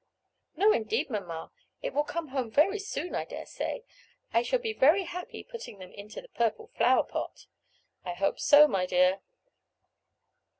"No, indeed, mamma, it will come home very soon, I dare say. I shall be very happy putting them into the purple flower pot." "I hope so, my dear."